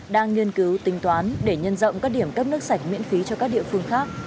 đang nghiên cứu tính toán để nhân rộng các điểm cấp nước sạch miễn phí cho các địa phương khác